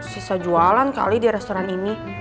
sisa jualan kali di restoran ini